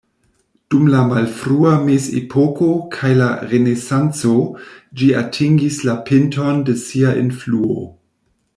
Dum la malfrua mezepoko kaj la renesanco ĝi atingis la pinton de sia influo.